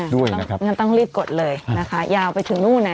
ด้วยนะครับงั้นต้องรีบกดเลยนะคะยาวไปถึงโน้นน่ะ